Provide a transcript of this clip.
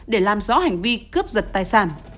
để làm rõ hành vi cướp giật tài sản